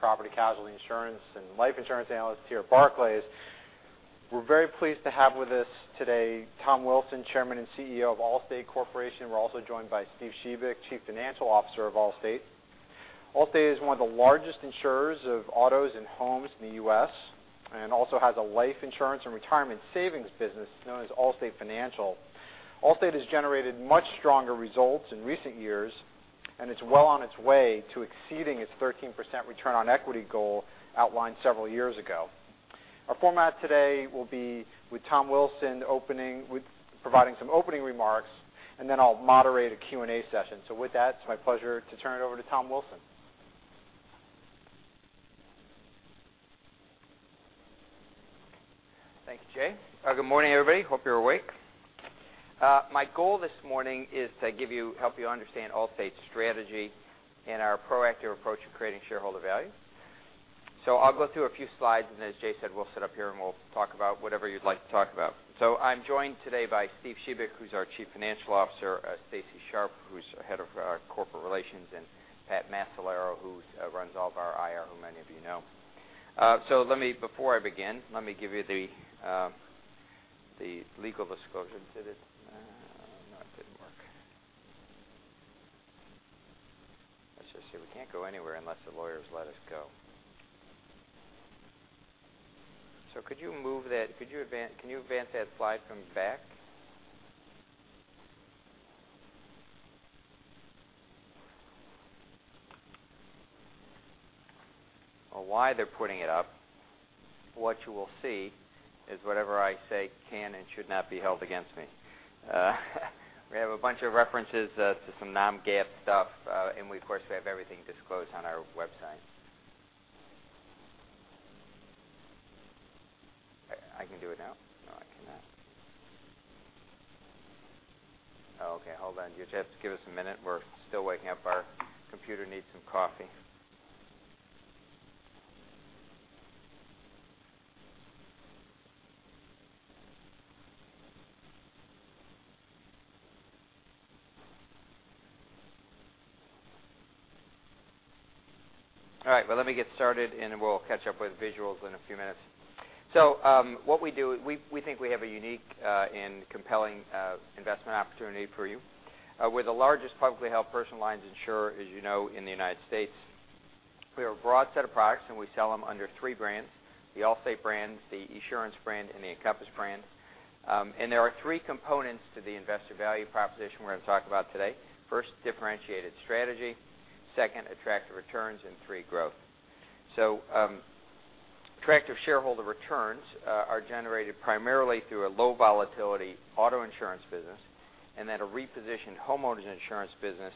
Senior Property Casualty Insurance and Life Insurance Analyst here at Barclays. We're very pleased to have with us today, Tom Wilson, Chairman and CEO of The Allstate Corporation. We're also joined by Steve Shebik, Chief Financial Officer of Allstate. Allstate is one of the largest insurers of autos and homes in the U.S., and also has a life insurance and retirement savings business known as Allstate Financial. Allstate has generated much stronger results in recent years, and it's well on its way to exceeding its 13% return on equity goal outlined several years ago. Our format today will be with Tom Wilson providing some opening remarks, then I'll moderate a Q&A session. With that, it's my pleasure to turn it over to Tom Wilson. Thank you, Jay. Good morning, everybody. Hope you're awake. My goal this morning is to help you understand Allstate's strategy and our proactive approach in creating shareholder value. I'll go through a few slides, and as Jay said, we'll sit up here and we'll talk about whatever you'd like to talk about. I'm joined today by Steve Shebik, who's our Chief Financial Officer, Stacy Sharpe, who's head of our corporate relations, and Pat Mastandrea, who runs all of our IR, who many of you know. Before I begin, let me give you the legal disclosure to this. No, it didn't work. Let's just see. We can't go anywhere unless the lawyers let us go. Can you advance that slide from back? While they're putting it up, what you will see is whatever I say can and should not be held against me. We have a bunch of references to some non-GAAP stuff, and we, of course, have everything disclosed on our website. I can do it now. No, I cannot. Okay, hold on. You'll just have to give us a minute. We're still waking up. Our computer needs some coffee. Let me get started, and then we'll catch up with visuals in a few minutes. What we do, we think we have a unique and compelling investment opportunity for you. We're the largest publicly held personal lines insurer, as you know, in the United States. We have a broad set of products, and we sell them under three brands, the Allstate brand, the Esurance brand, and the Encompass brand. There are three components to the investor value proposition we're going to talk about today. First, differentiated strategy, second, attractive returns, and three, growth. Attractive shareholder returns are generated primarily through a low volatility auto insurance business, and then a repositioned homeowners insurance business,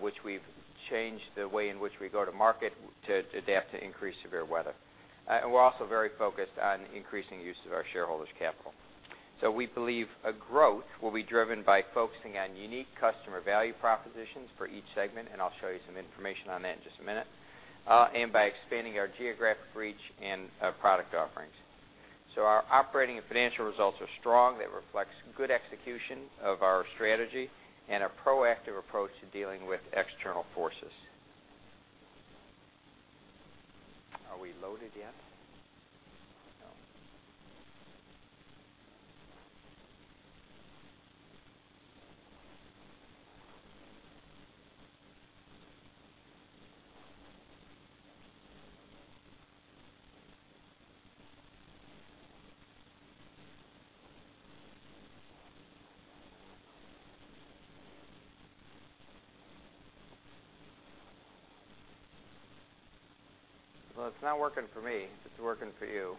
which we've changed the way in which we go to market to adapt to increased severe weather. We're also very focused on increasing use of our shareholders' capital. We believe growth will be driven by focusing on unique customer value propositions for each segment, and I'll show you some information on that in just a minute, and by expanding our geographic reach and product offerings. Our operating and financial results are strong. That reflects good execution of our strategy and a proactive approach to dealing with external forces. Are we loaded yet? No. It's not working for me if it's working for you.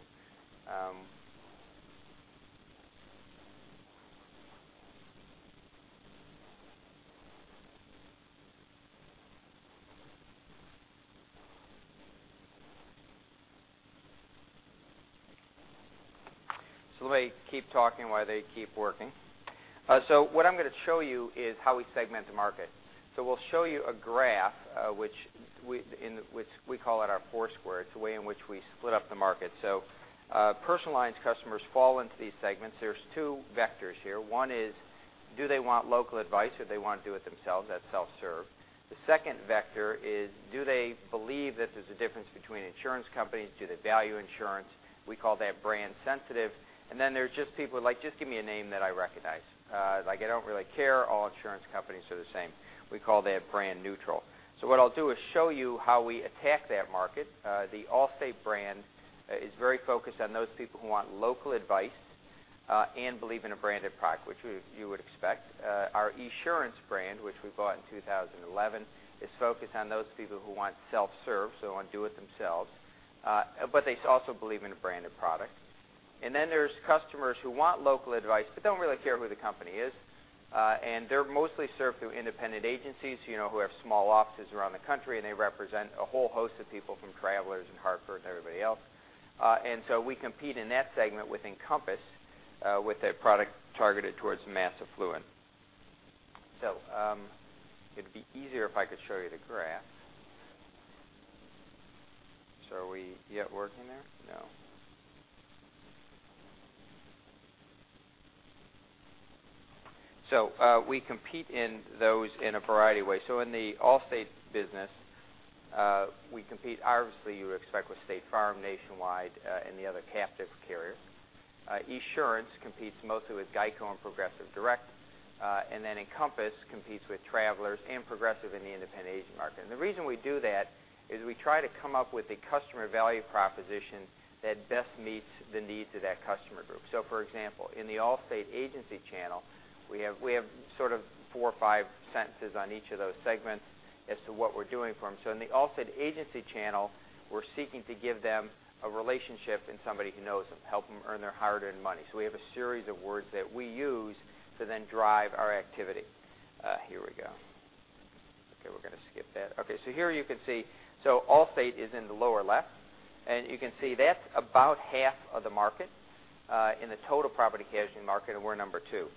Let me keep talking while they keep working. What I'm going to show you is how we segment the market. We'll show you a graph, which we call it our Four Square. It is a way in which we split up the market. Personal lines customers fall into these segments. There are two vectors here. One is, do they want local advice or do they want to do it themselves? That is self-serve. The second vector is, do they believe that there is a difference between insurance companies? Do they value insurance? We call that brand sensitive. Then there are just people who are like, just give me a name that I recognize. Like I do not really care. All insurance companies are the same. We call that brand neutral. What I will do is show you how we attack that market. The Allstate brand is very focused on those people who want local advice, and believe in a branded product, which you would expect. Our Esurance brand, which we bought in 2011, is focused on those people who want self-serve, want to do it themselves. They also believe in a branded product. Then there are customers who want local advice but do not really care who the company is. They are mostly served through independent agencies who have small offices around the country, and they represent a whole host of people from Travelers and The Hartford and everybody else. We compete in that segment with Encompass with a product targeted towards mass affluent. It would be easier if I could show you the graph. Are we yet working there? No. We compete in those in a variety of ways. In the Allstate business, we compete obviously you would expect with State Farm, Nationwide, and the other captive carriers. Esurance competes mostly with GEICO and Progressive Direct. Encompass competes with Travelers and Progressive in the independent agent market. The reason we do that is we try to come up with a customer value proposition that best meets the needs of that customer group. For example, in the Allstate agency channel, we have sort of four or five sentences on each of those segments as to what we are doing for them. In the Allstate agency channel, we are seeking to give them a relationship and somebody who knows them, help them earn their hard-earned money. We have a series of words that we use to then drive our activity. Here we go. Okay, we are going to skip that. Here you can see, Allstate is in the lower left, and you can see that is about half of the market, in the total property casualty market, and we are number two.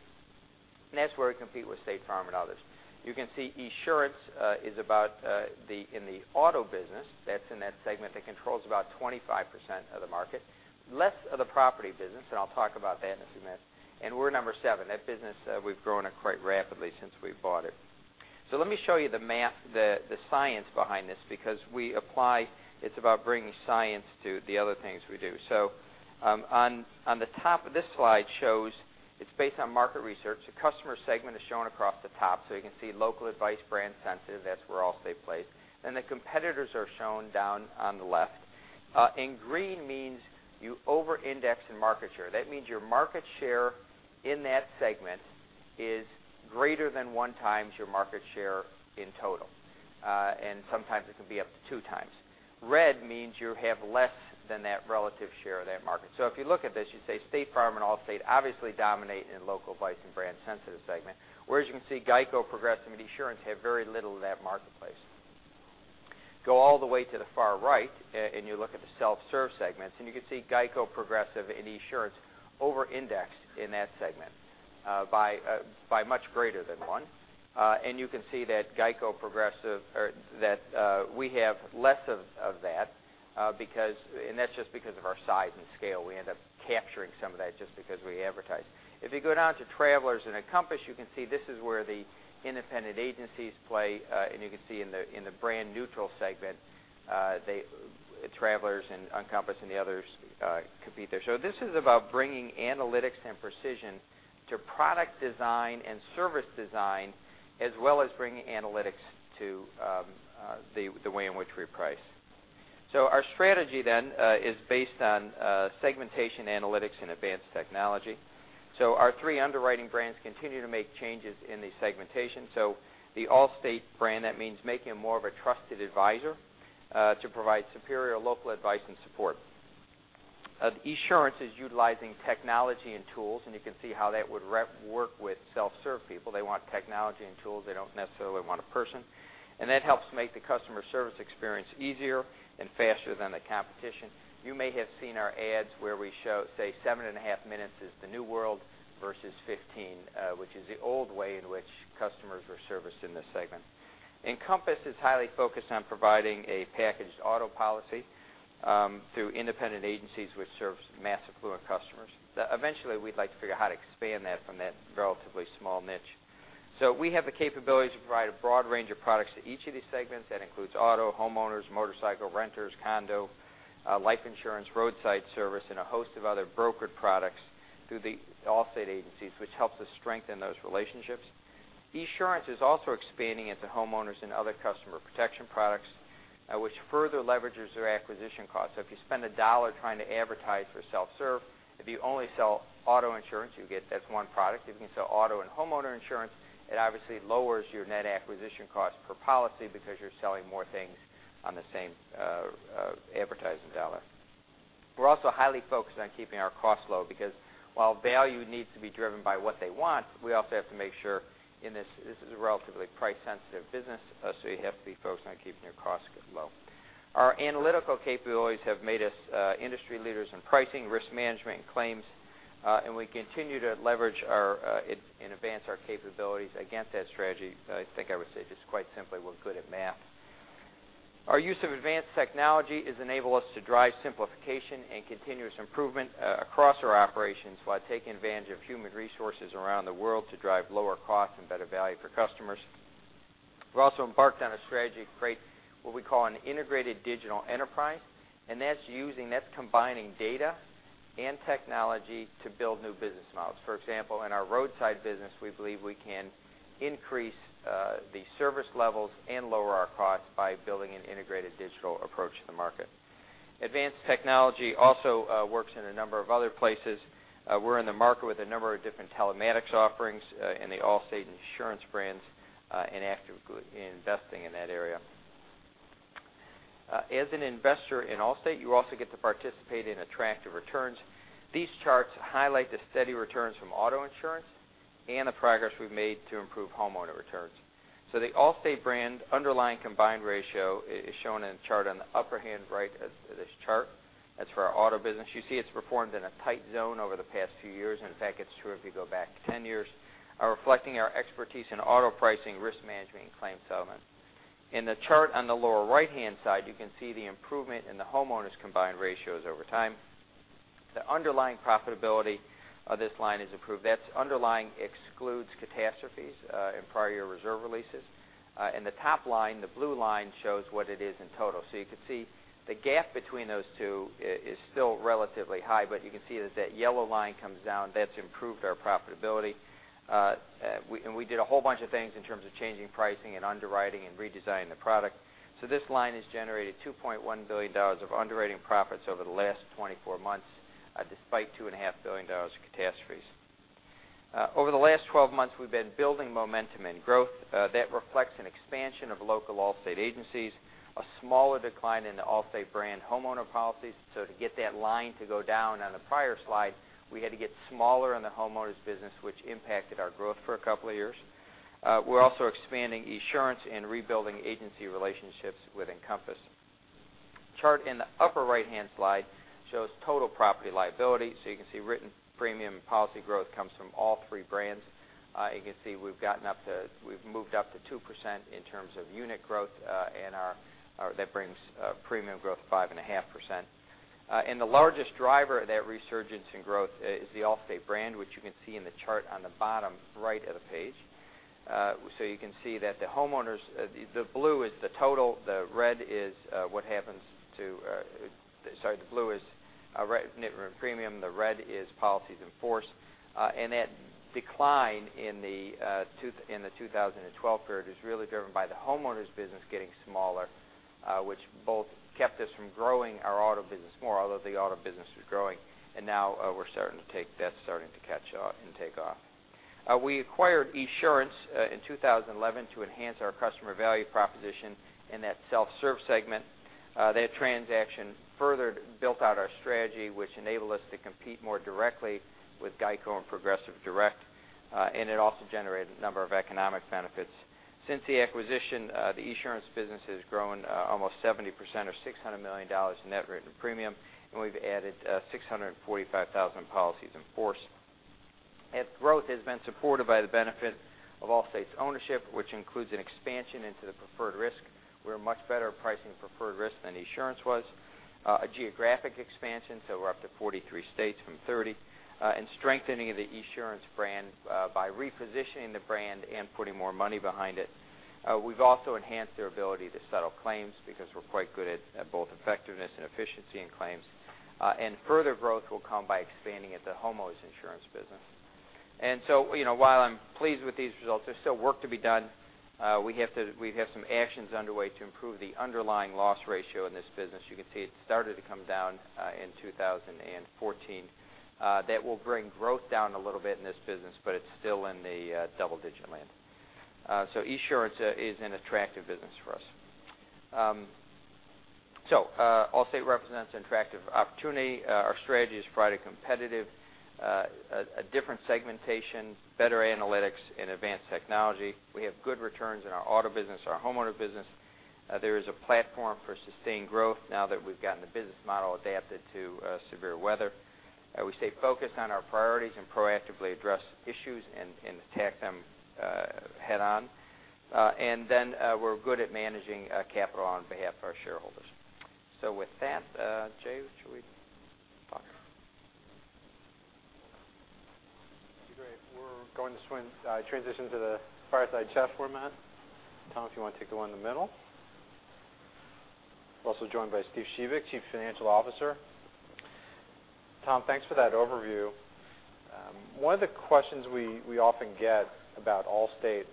That is where we compete with State Farm and others. You can see Esurance is about in the auto business, that is in that segment that controls about 25% of the market, less of the property business, and I will talk about that in a few minutes, and we are number seven. That business, we have grown it quite rapidly since we have bought it. Let me show you the science behind this because it is about bringing science to the other things we do. On the top of this slide shows it is based on market research. The customer segment is shown across the top, you can see local advice brand sensitive, that is where Allstate plays. The competitors are shown down on the left. In green means you over-index in market share. That means your market share in that segment is greater than one times your market share in total. Sometimes it can be up to two times. Red means you have less than that relative share of that market. If you look at this, you say State Farm and Allstate obviously dominate in local advice and brand sensitive segment. Whereas you can see GEICO, Progressive, and Esurance have very little of that marketplace. Go all the way to the far right, and you look at the self-serve segments, and you can see GEICO, Progressive, and Esurance over-index in that segment by much greater than one. You can see that we have less of that, and that's just because of our size and scale. We end up capturing some of that just because we advertise. If you go down to Travelers and Encompass, you can see this is where the independent agencies play. You can see in the brand neutral segment, Travelers and Encompass and the others compete there. This is about bringing analytics and precision to product design and service design, as well as bringing analytics to the way in which we price. Our strategy then is based on segmentation analytics and advanced technology. Our three underwriting brands continue to make changes in the segmentation. The Allstate brand, that means making them more of a trusted advisor to provide superior local advice and support. Esurance is utilizing technology and tools, and you can see how that would work with self-serve people. They want technology and tools. They don't necessarily want a person. That helps make the customer service experience easier and faster than the competition. You may have seen our ads where we show, say seven and a half minutes is the new world versus 15, which is the old way in which customers were serviced in this segment. Encompass is highly focused on providing a packaged auto policy through independent agencies which serves mass affluent customers. Eventually, we'd like to figure out how to expand that from that relatively small niche. We have the capability to provide a broad range of products to each of these segments. That includes auto, homeowners, motorcycle, renters, condo, life insurance, roadside service, and a host of other brokered products through the Allstate agencies, which helps us strengthen those relationships. Esurance is also expanding into homeowners and other customer protection products which further leverages their acquisition costs. If you spend $1 trying to advertise for self-serve, if you only sell auto insurance, that's one product. If you can sell auto and homeowner insurance, it obviously lowers your net acquisition cost per policy because you're selling more things on the same advertising dollar. We're also highly focused on keeping our costs low because while value needs to be driven by what they want, we also have to make sure in this is a relatively price-sensitive business, so you have to be focused on keeping your costs low. Our analytical capabilities have made us industry leaders in pricing, risk management, and claims, we continue to leverage and advance our capabilities against that strategy. I think I would say just quite simply, we're good at math. Our use of advanced technology has enabled us to drive simplification and continuous improvement across our operations while taking advantage of human resources around the world to drive lower costs and better value for customers. We've also embarked on a strategy to create what we call an integrated digital enterprise, and that's combining data and technology to build new business models. For example, in our roadside business, we believe we can increase the service levels and lower our costs by building an integrated digital approach to the market. Advanced technology also works in a number of other places. We're in the market with a number of different telematics offerings in the Allstate Insurance brands, and actively investing in that area. As an investor in Allstate, you also get to participate in attractive returns. These charts highlight the steady returns from auto insurance and the progress we've made to improve homeowner returns. The Allstate brand underlying combined ratio is shown in the chart on the upper hand right of this chart. That's for our auto business. You see it's performed in a tight zone over the past few years, and in fact, it's true if you go back 10 years, reflecting our expertise in auto pricing, risk management, and claim settlement. In the chart on the lower right-hand side, you can see the improvement in the homeowners' combined ratios over time. The underlying profitability of this line is improved. That underlying excludes catastrophes and prior year reserve releases. The top line, the blue line, shows what it is in total. You can see the gap between those two is still relatively high, but you can see that yellow line comes down. That's improved our profitability. We did a whole bunch of things in terms of changing pricing and underwriting and redesigning the product. This line has generated $2.1 billion of underwriting profits over the last 24 months, despite $2.5 billion of catastrophes. Over the last 12 months, we've been building momentum and growth that reflects an expansion of local Allstate agencies, a smaller decline in the Allstate brand homeowner policies. To get that line to go down on the prior slide, we had to get smaller on the homeowners business, which impacted our growth for a couple of years. We're also expanding Esurance and rebuilding agency relationships with Encompass. Chart in the upper right-hand slide shows total property liability. You can see written premium policy growth comes from all three brands. You can see we've moved up to 2% in terms of unit growth, and that brings premium growth 5.5%. The largest driver of that resurgence in growth is the Allstate brand, which you can see in the chart on the bottom right of the page. You can see that the homeowners, the blue is net written premium, the red is policies in force. That decline in the 2012 period is really driven by the homeowners business getting smaller, which both kept us from growing our auto business more, although the auto business was growing, and now that's starting to catch on and take off. We acquired Esurance in 2011 to enhance our customer value proposition in that self-serve segment. That transaction further built out our strategy, which enabled us to compete more directly with GEICO and Progressive Direct, it also generated a number of economic benefits. Since the acquisition, the Esurance business has grown almost 70%, or $600 million in net written premium, and we've added 645,000 policies in force. That growth has been supported by the benefit of Allstate's ownership, which includes an expansion into the preferred risk. We're much better at pricing preferred risk than Esurance was. A geographic expansion, so we're up to 43 states from 30. Strengthening of the Esurance brand by repositioning the brand and putting more money behind it. We've also enhanced their ability to settle claims because we're quite good at both effectiveness and efficiency in claims. Further growth will come by expanding into the homeowners insurance business. While I'm pleased with these results, there's still work to be done. We have some actions underway to improve the underlying loss ratio in this business. You can see it started to come down in 2014. That will bring growth down a little bit in this business, but it's still in the double-digit land. Esurance is an attractive business for us. Allstate represents an attractive opportunity. Our strategy is to provide a competitive, different segmentation, better analytics, and advanced technology. We have good returns in our auto business, our homeowner business. There is a platform for sustained growth now that we've gotten the business model adapted to severe weather. We stay focused on our priorities and proactively address issues and attack them head on. Then we're good at managing capital on behalf of our shareholders. With that, Jay, should we talk? Great. We're going to transition to the fireside chat format. Tom, if you want to take the one in the middle. Also joined by Steve Shebik, Chief Financial Officer. Tom, thanks for that overview. One of the questions we often get about Allstate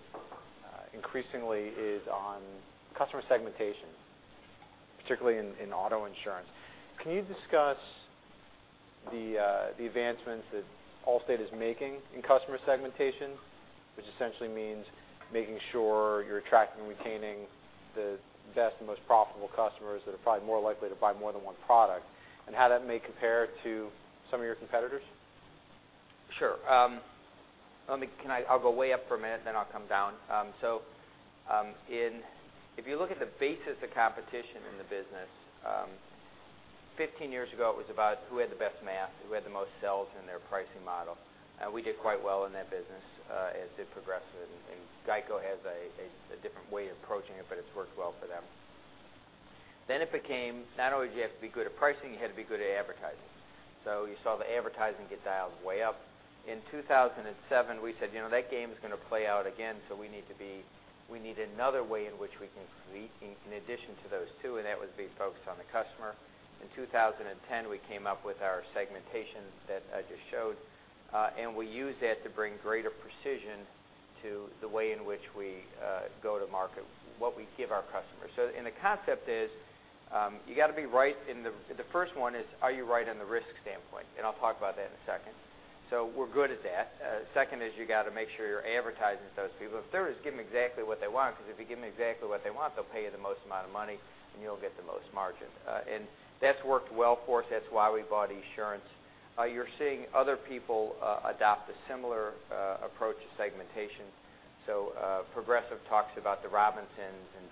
increasingly is on customer segmentation, particularly in auto insurance. Can you discuss the advancements that Allstate is making in customer segmentation, which essentially means making sure you're attracting and retaining the best and most profitable customers that are probably more likely to buy more than one product, and how that may compare to some of your competitors? Sure. I'll go way up for a minute, then I'll come down. If you look at the basis of competition in the business, 15 years ago, it was about who had the best math, who had the most cells in their pricing model. We did quite well in that business, as did Progressive, and GEICO has a different way of approaching it, but it's worked well for them. Then it became not only did you have to be good at pricing, you had to be good at advertising. You saw the advertising get dialed way up. In 2007, we said, "You know, that game is going to play out again, so we need another way in which we can compete in addition to those two," that was being focused on the customer. In 2010, we came up with our segmentation that I just showed, we used that to bring greater precision to the way in which we go to market, what we give our customers. The concept is the first one, are you right on the risk standpoint? I'll talk about that in a second. We're good at that. Second is, you got to make sure you're advertising to those people. The third is, give them exactly what they want, because if you give them exactly what they want, they'll pay you the most amount of money, and you'll get the most margin. That's worked well for us. That's why we bought Esurance. You're seeing other people adopt a similar approach to segmentation. Progressive talks about the Robinsons and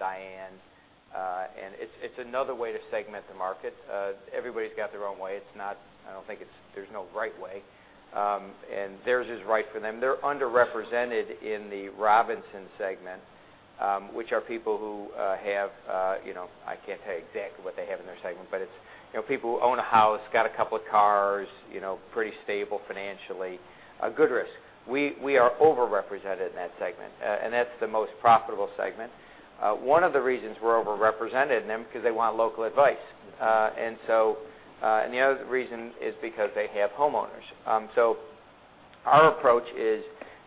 Dianes. It's another way to segment the market. Everybody's got their own way. There's no right way. Theirs is right for them. They're underrepresented in the Robinsons segment, which are people who have, I can't tell you exactly what they have in their segment, but it's people who own a house, got a couple of cars, pretty stable financially, a good risk. We are over-represented in that segment. That's the most profitable segment. One of the reasons we're over-represented in them is because they want local advice. The other reason is because they have homeowners.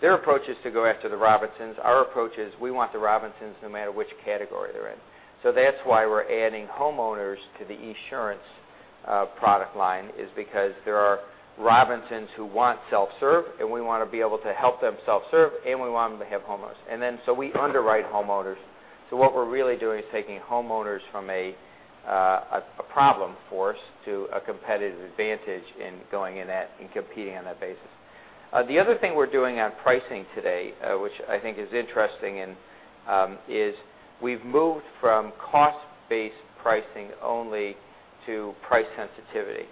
Their approach is to go after the Robinsons. Our approach is, we want the Robinsons no matter which category they're in. That's why we're adding homeowners to the Esurance product line, is because there are Robinsons who want self-serve, and we want to be able to help them self-serve, and we want them to have homeowners. We underwrite homeowners. What we're really doing is taking homeowners from a problem for us to a competitive advantage in going in that and competing on that basis. The other thing we're doing on pricing today, which I think is interesting, is we've moved from cost-based pricing only to price sensitivity.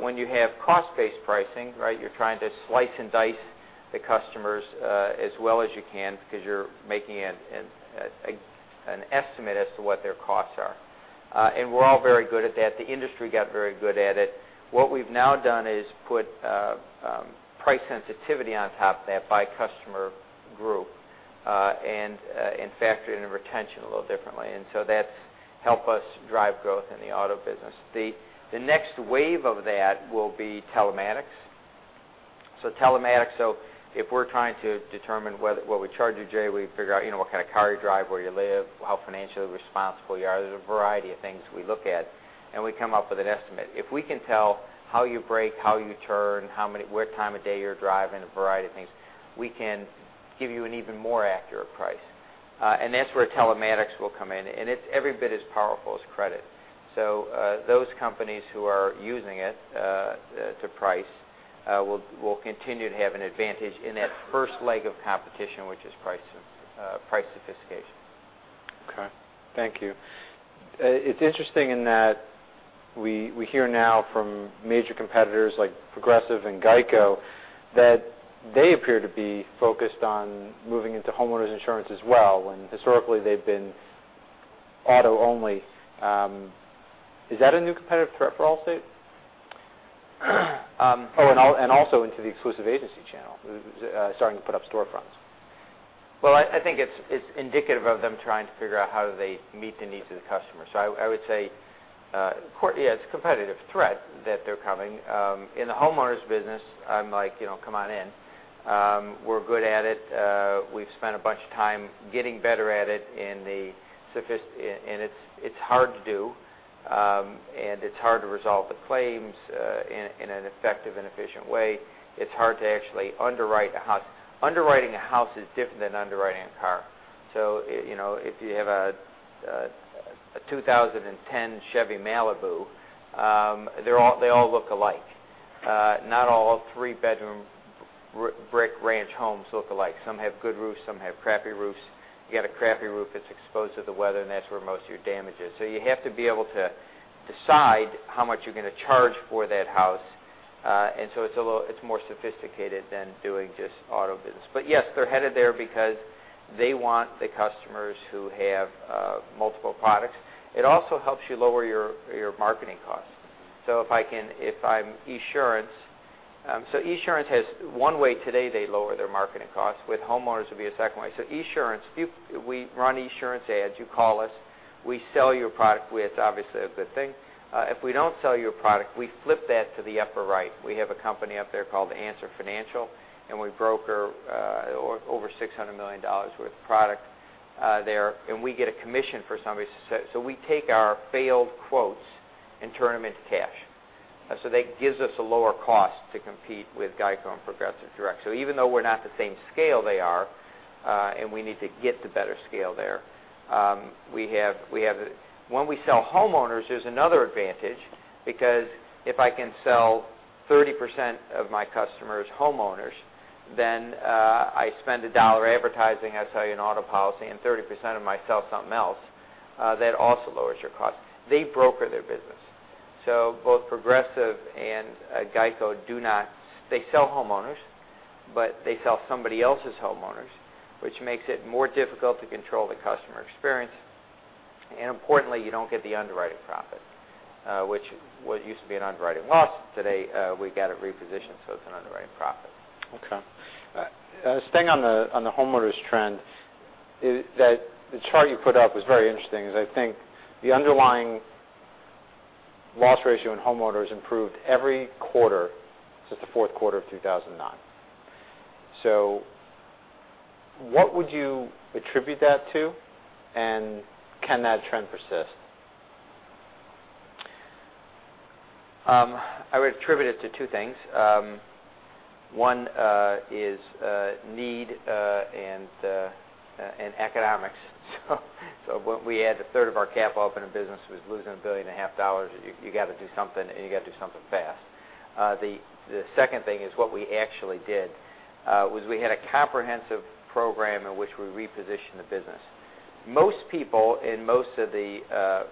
When you have cost-based pricing, you're trying to slice and dice the customers as well as you can because you're making an estimate as to what their costs are. We're all very good at that. The industry got very good at it. What we've now done is put price sensitivity on top of that by customer group and factor in retention a little differently. That's helped us drive growth in the auto business. The next wave of that will be telematics. If we're trying to determine what we charge you, Jay, we figure out what kind of car you drive, where you live, how financially responsible you are. There's a variety of things we look at and we come up with an estimate. If we can tell how you brake, how you turn, what time of day you're driving, a variety of things, we can give you an even more accurate price. That's where telematics will come in. It's every bit as powerful as credit. Those companies who are using it to price will continue to have an advantage in that first leg of competition, which is price sophistication. Okay. Thank you. It's interesting in that we hear now from major competitors like Progressive and GEICO that they appear to be focused on moving into homeowners insurance as well, when historically they've been auto only. Is that a new competitive threat for Allstate? Oh, also into the exclusive agency channel, starting to put up storefronts. Well, I think it's indicative of them trying to figure out how do they meet the needs of the customer. I would say, yeah, it's a competitive threat that they're coming. In the homeowners business, I'm like, "Come on in." We're good at it. We've spent a bunch of time getting better at it, and it's hard to do. It's hard to resolve the claims in an effective and efficient way. It's hard to actually underwrite a house. Underwriting a house is different than underwriting a car. If you have a 2010 Chevrolet Malibu, they all look alike. Not all three-bedroom brick ranch homes look alike. Some have good roofs, some have crappy roofs. You got a crappy roof that's exposed to the weather, and that's where most of your damage is. You have to be able to decide how much you're going to charge for that house. It's more sophisticated than doing just auto business. Yes, they're headed there because they want the customers who have multiple products. It also helps you lower your marketing costs. Esurance has one way today they lower their marketing costs. With homeowners, it would be a second way. Esurance, we run Esurance ads. You call us. We sell you a product, which obviously is a good thing. If we don't sell you a product, we flip that to the upper right. We have a company up there called Answer Financial, and we broker over $600 million worth of product there, and we get a commission for somebody. We take our failed quotes and turn them into cash. That gives us a lower cost to compete with GEICO and Progressive Direct. Even though we're not the same scale they are, and we need to get to better scale there, when we sell homeowners, there's another advantage because if I can sell 30% of my customers homeowners, then I spend $1 advertising, I sell you an auto policy, and 30% of them I sell something else. That also lowers your cost. They broker their business. Both Progressive and GEICO do not. They sell homeowners, but they sell somebody else's homeowners, which makes it more difficult to control the customer experience. Importantly, you don't get the underwriting profit, which used to be an underwriting loss. Today, we got it repositioned so it's an underwriting profit. Okay. Staying on the homeowners trend, the chart you put up was very interesting because I think the underlying loss ratio in homeowners improved every quarter since the fourth quarter of 2009. What would you attribute that to, and can that trend persist? I would attribute it to two things. One is need and economics. When we had a third of our cap open and business was losing a billion and a half dollars, you got to do something, and you got to do something fast. The second thing is what we actually did, was we had a comprehensive program in which we repositioned the business. Most people, and most of the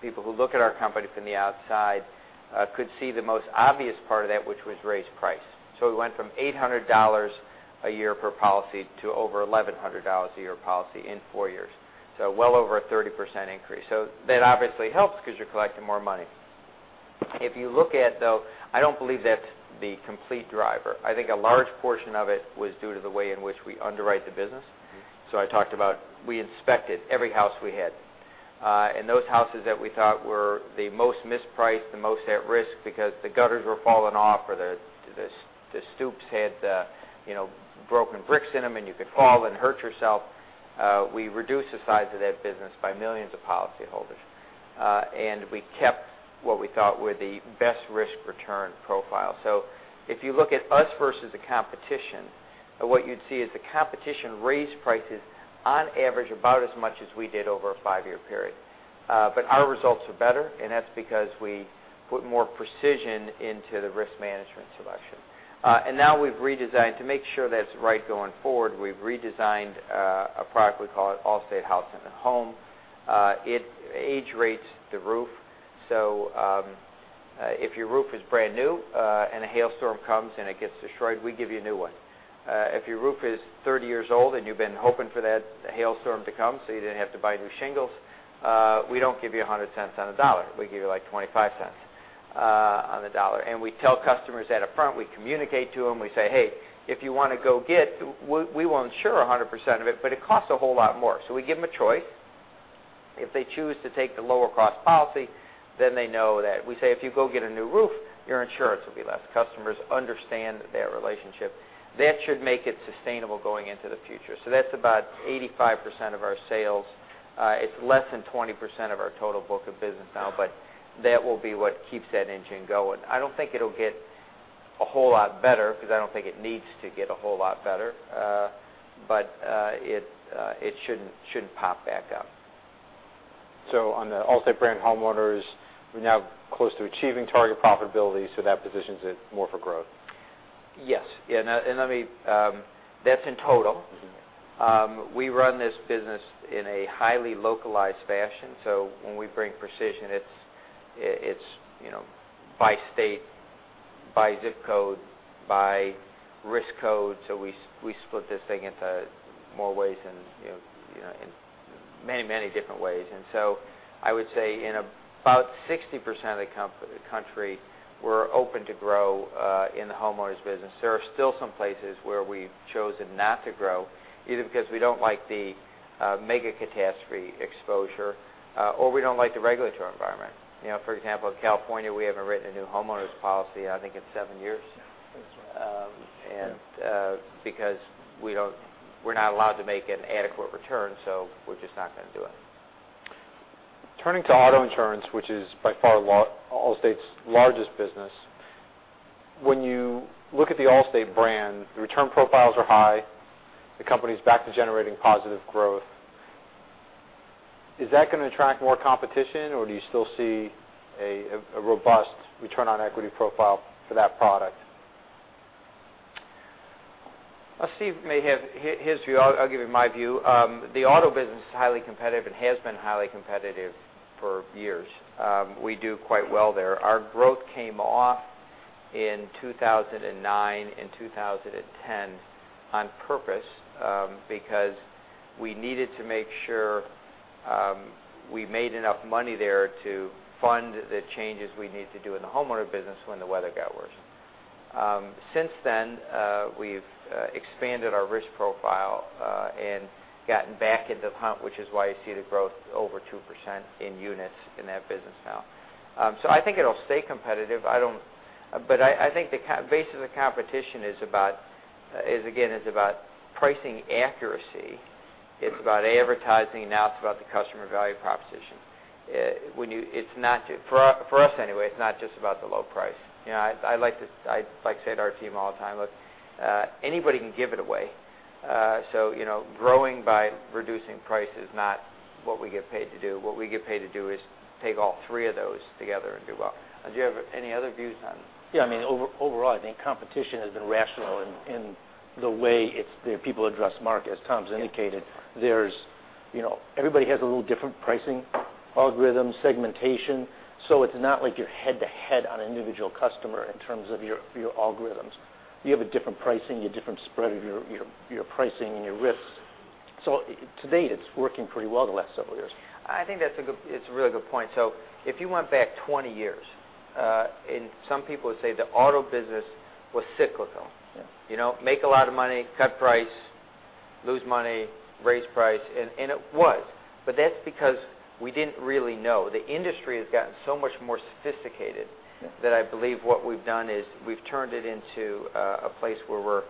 people who look at our company from the outside, could see the most obvious part of that, which was raised price. We went from $800 a year per policy to over $1,100 a year policy in four years. Well over a 30% increase. That obviously helps because you're collecting more money. If you look at, though, I don't believe that's the complete driver. I think a large portion of it was due to the way in which we underwrite the business. I talked about, we inspected every house we had. Those houses that we thought were the most mispriced, the most at risk because the gutters were falling off or the stoops had broken bricks in them, and you could fall and hurt yourself. We reduced the size of that business by millions of policyholders. We kept what we thought were the best risk-return profile. If you look at us versus the competition, what you'd see is the competition raised prices on average about as much as we did over a five-year period. Our results are better, and that's because we put more precision into the risk management selection. Now we've redesigned to make sure that it's right going forward. We've redesigned a product, we call it Allstate House & Home. It age rates the roof. If your roof is brand new, and a hailstorm comes and it gets destroyed, we give you a new one. If your roof is 30 years old and you've been hoping for that hailstorm to come so you didn't have to buy new shingles, we don't give you $1.00 on a dollar. We give you like $0.25 on the dollar. We tell customers that upfront. We communicate to them. We say, "Hey, if you want to go get, we will insure 100% of it, but it costs a whole lot more." We give them a choice. If they choose to take the lower cost policy, they know that we say, if you go get a new roof, your insurance will be less. Customers understand that relationship. That should make it sustainable going into the future. That's about 85% of our sales. It's less than 20% of our total book of business now, that will be what keeps that engine going. I don't think it'll get a whole lot better because I don't think it needs to get a whole lot better. It shouldn't pop back up. On the Allstate brand homeowners, we're now close to achieving target profitability, that positions it more for growth. Yes. That's in total. We run this business in a highly localized fashion. When we bring precision, it's by state, by ZIP code, by risk code. We split this thing into more ways than in many different ways. I would say in about 60% of the country, we're open to grow in the homeowners business. There are still some places where we've chosen not to grow, either because we don't like the mega catastrophe exposure, or we don't like the regulatory environment. For example, in California, we haven't written a new homeowners policy, I think in seven years. Yeah. That's right. Because we're not allowed to make an adequate return, so we're just not going to do it. Turning to auto insurance, which is by far Allstate's largest business. When you look at the Allstate brand, the return profiles are high. The company is back to generating positive growth. Is that going to attract more competition, or do you still see a robust return on equity profile for that product? Steve may have his view. I'll give you my view. The auto business is highly competitive and has been highly competitive for years. We do quite well there. Our growth came off in 2009 and 2010 on purpose, because we needed to make sure we made enough money there to fund the changes we need to do in the homeowner business when the weather got worse. Since then, we've expanded our risk profile, and gotten back into the pump, which is why you see the growth over 2% in units in that business now. I think it'll stay competitive. I think the base of the competition is again, is about pricing accuracy. It's about advertising, now it's about the customer value proposition. For us anyway, it's not just about the low price. I like to say to our team all the time, look, anybody can give it away. Growing by reducing price is not what we get paid to do. What we get paid to do is take all three of those together and do well. Do you have any other views on that? Overall, I think competition has been rational in the way people address market. As Tom's indicated, everybody has a little different pricing algorithm segmentation. It's not like you're head to head on an individual customer in terms of your algorithms. You have a different pricing, you have different spread of your pricing and your risks. To date, it's working pretty well the last several years. I think that's a really good point. If you went back 20 years, and some people would say the auto business was cyclical. Yeah. Make a lot of money, cut price, lose money, raise price. It was. That's because we didn't really know. The industry has gotten so much more sophisticated. Yeah. I believe what we've done is we've turned it into a place where we're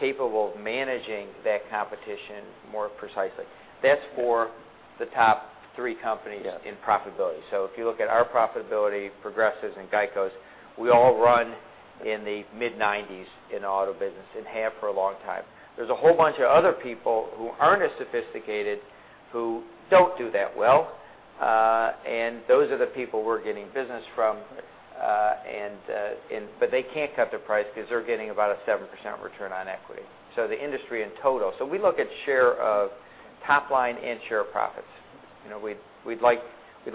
capable of managing that competition more precisely. That's for the top three companies- Yeah in profitability. If you look at our profitability, Progressive's and GEICO's, we all run in the mid-90s in auto business and have for a long time. There's a whole bunch of other people who aren't as sophisticated who don't do that well. Yeah Those are the people we're getting business from. They can't cut their price because they're getting about a 7% return on equity. The industry in total. We look at share of top line and share of profits. We'd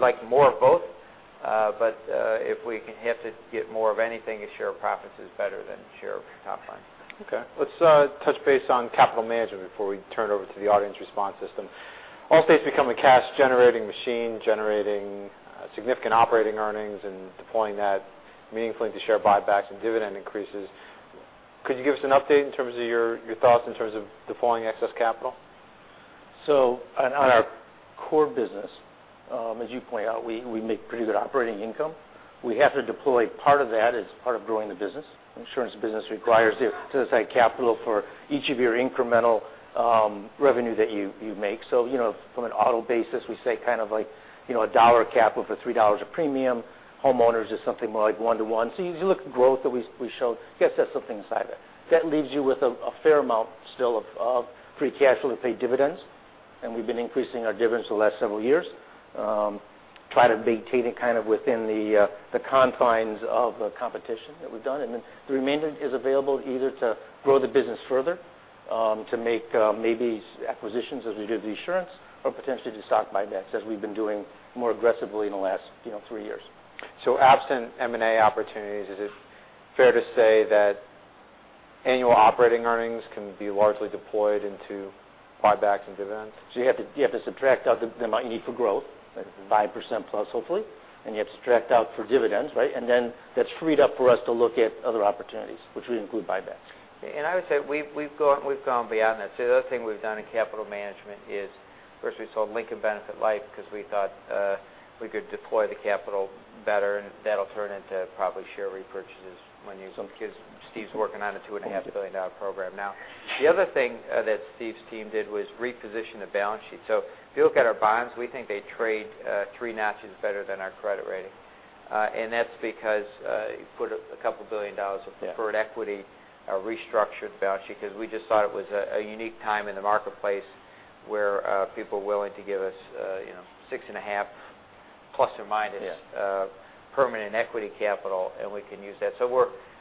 like more of both, but if we have to get more of anything, a share of profits is better than share of top line. Okay. Let's touch base on capital management before we turn it over to the audience response system. Allstate's become a cash generating machine, generating significant operating earnings and deploying that meaningfully to share buybacks and dividend increases. Could you give us an update in terms of your thoughts in terms of deploying excess capital? On our core business, as you point out, we make pretty good operating income. We have to deploy part of that as part of growing the business. Insurance business requires set aside capital for each of your incremental revenue that you make. From an auto basis, we say kind of like $1 of capital for $3 of premium. Homeowners is something more like 1 to 1. You look at the growth that we show, I guess that's something inside that. That leaves you with a fair amount still of free cash flow to pay dividends, and we've been increasing our dividends the last several years. Try to maintain it kind of within the confines of the competition that we've done, the remainder is available either to grow the business further, to make maybe acquisitions as we do with insurance, or potentially do stock buybacks as we've been doing more aggressively in the last three years. Absent M&A opportunities, is it fair to say that annual operating earnings can be largely deployed into buybacks and dividends? You have to subtract out the amount you need for growth, 5% plus hopefully, and you have to subtract out for dividends, right? That's freed up for us to look at other opportunities, which would include buybacks. I would say we've gone beyond that. The other thing we've done in capital management is, first we sold Lincoln Benefit Life because we thought we could deploy the capital better, and that'll turn into probably share repurchases because Steve's working on a $2.5 billion program now. The other thing that Steve's team did was reposition the balance sheet. If you look at our bonds, we think they trade three notches better than our credit rating. That's because you put a couple billion dollars of preferred equity, a restructured balance sheet, because we just thought it was a unique time in the marketplace where people were willing to give us 6.5 plus or minus. Yeah Permanent equity capital, and we can use that.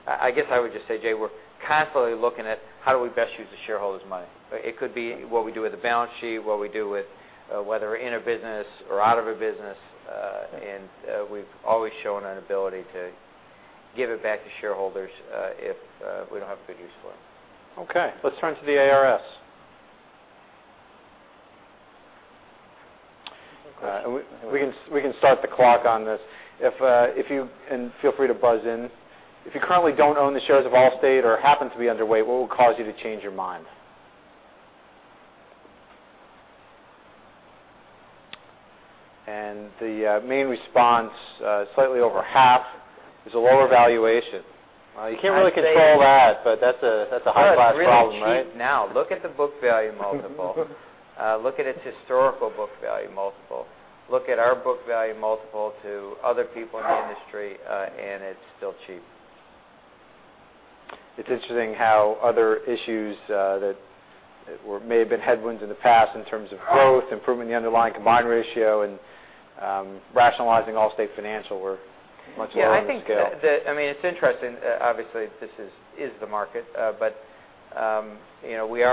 I guess I would just say, Jay, we're constantly looking at how do we best use the shareholders' money. It could be what we do with the balance sheet, what we do with whether we're in a business or out of a business. We've always shown an ability to give it back to shareholders if we don't have a good use for it. Okay. Let's turn to the ARS. We can start the clock on this. Feel free to buzz in. If you currently don't own the shares of Allstate or happen to be underweight, what will cause you to change your mind? The main response, slightly over half, is a lower valuation. You can't really control that, but that's a high-class problem, right? It's really cheap now. Look at the book value multiple. Look at its historical book value multiple. Look at our book value multiple to other people in the industry, it's still cheap. It's interesting how other issues that may have been headwinds in the past in terms of growth, improving the underlying combined ratio, and rationalizing Allstate Financial were much lower on the scale. Yeah, I think it's interesting. Obviously, this is the market. We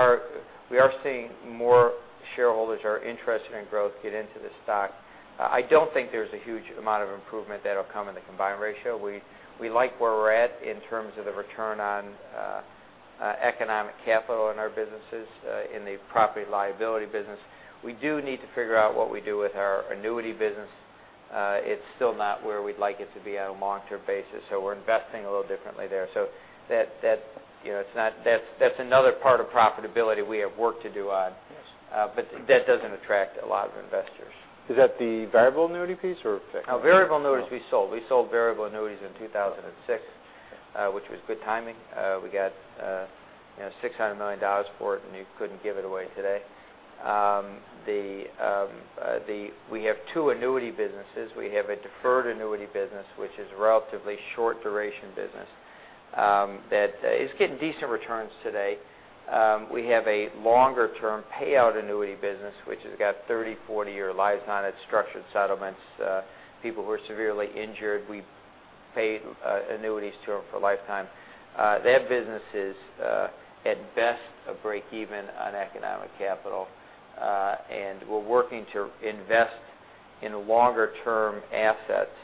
are seeing more shareholders are interested in growth get into the stock. I don't think there's a huge amount of improvement that'll come in the combined ratio. We like where we're at in terms of the return on economic capital in our businesses, in the property liability business. We do need to figure out what we do with our annuity business. It's still not where we'd like it to be on a long-term basis, so we're investing a little differently there. That's another part of profitability we have work to do on. Yes. That doesn't attract a lot of investors. Is that the variable annuity piece or fixed? Variable annuities, we sold. We sold variable annuities in 2006, which was good timing. We got $600 million for it. You couldn't give it away today. We have two annuity businesses. We have a deferred annuity business, which is relatively short duration business. That is getting decent returns today. We have a longer-term payout annuity business, which has got 30, 40-year lives on it, structured settlements, people who are severely injured, we paid annuities to them for a lifetime. That business is, at best, a break even on economic capital. We're working to invest in longer term assets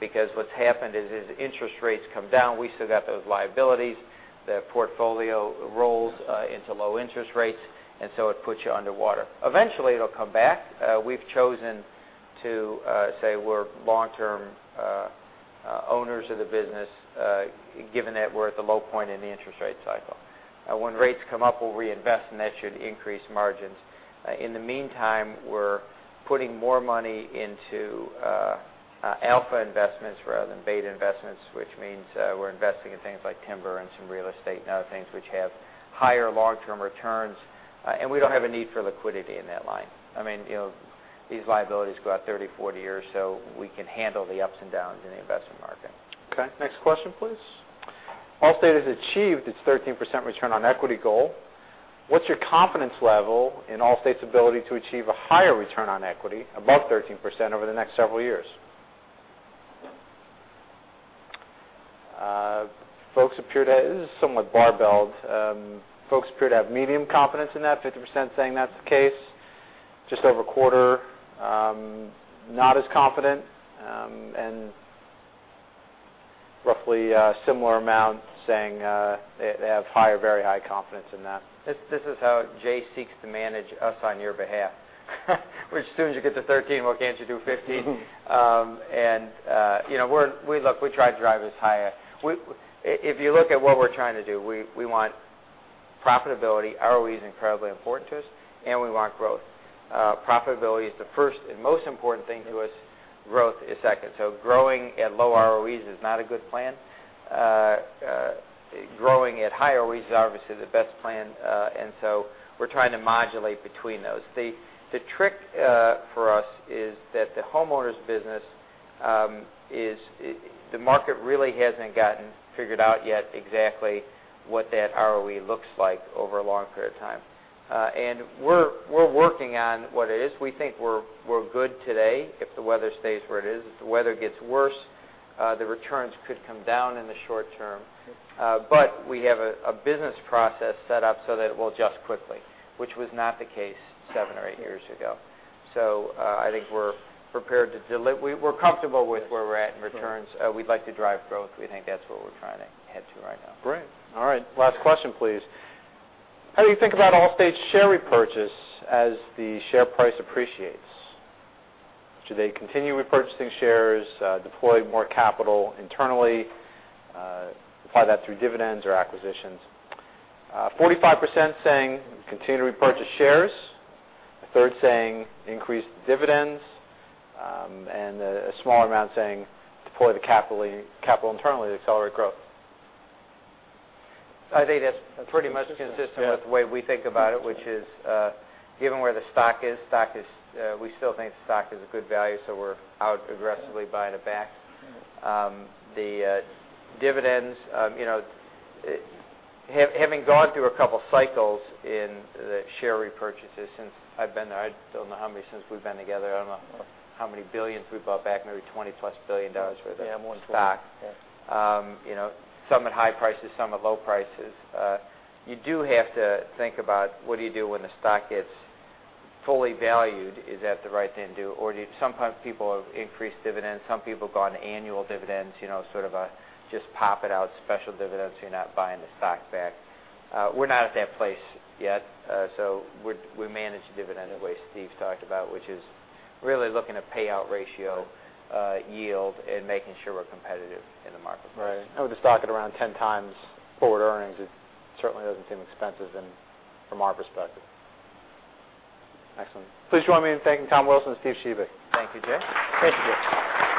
because what's happened is, as interest rates come down, we still got those liabilities. The portfolio rolls into low interest rates, it puts you underwater. Eventually, it'll come back. We've chosen to say we're long term owners of the business, given that we're at the low point in the interest rate cycle. When rates come up, we'll reinvest, and that should increase margins. In the meantime, we're putting more money into alpha investments rather than beta investments, which means we're investing in things like timber and some real estate and other things which have higher long term returns. We don't have a need for liquidity in that line. These liabilities go out 30, 40 years, we can handle the ups and downs in the investment market. Okay. Next question, please. Allstate has achieved its 13% return on equity goal. What's your confidence level in Allstate's ability to achieve a higher return on equity above 13% over the next several years? Folks appear to have medium confidence in that, 50% saying that's the case, just over a quarter, not as confident, roughly a similar amount saying they have high or very high confidence in that. As soon as you get to 13, why can't you do 15? Look, we try to drive as high. If you look at what we're trying to do, we want profitability. ROE is incredibly important to us, and we want growth. Profitability is the first and most important thing to us. Growth is second. Growing at low ROEs is not a good plan. Growing at high ROE is obviously the best plan. We're trying to modulate between those. The trick for us is that the homeowners business, the market really hasn't gotten figured out yet exactly what that ROE looks like over a long period of time. We're working on what it is. We think we're good today if the weather stays where it is. If the weather gets worse, the returns could come down in the short term. We have a business process set up so that it will adjust quickly, which was not the case seven or eight years ago. I think we're prepared to deliver. We're comfortable with where we're at in returns. We'd like to drive growth. We think that's what we're trying to head to right now. Great. All right. Last question, please. How do you think about Allstate's share repurchase as the share price appreciates? Should they continue repurchasing shares, deploy more capital internally, apply that through dividends or acquisitions? 45% saying continue to repurchase shares, a third saying increase the dividends, a smaller amount saying deploy the capital internally to accelerate growth. I think that's pretty much consistent with the way we think about it, which is given where the stock is, we still think the stock is a good value. We're out aggressively buying it back. The dividends, having gone through a couple of cycles in the share repurchases since I've been there, I still don't know how many since we've been together. I don't know how many billions we've bought back, maybe $20-plus billion worth of stock. Yeah, more than 20. Yeah. Some at high prices, some at low prices. You do have to think about what do you do when the stock gets fully valued. Is that the right thing to do? Sometimes people have increased dividends. Some people have gone to annual dividends, sort of a just pop it out special dividends so you're not buying the stock back. We're not at that place yet. We manage the dividend the way Steve's talked about, which is really looking at payout ratio yield and making sure we're competitive in the marketplace. Right. With the stock at around 10 times forward earnings, it certainly doesn't seem expensive from our perspective. Excellent. Please join me in thanking Tom Wilson and Steve Shebik. Thank you, Jay. Thank you, Jay.